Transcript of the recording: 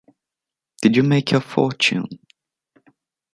Did you make your fortune?